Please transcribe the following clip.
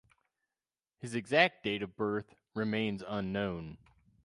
His exact date of birth remains unknown.